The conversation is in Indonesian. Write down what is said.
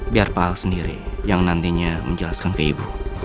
biar pak ahok sendiri yang nantinya menjelaskan ke ibu